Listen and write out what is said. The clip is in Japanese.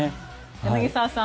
柳澤さん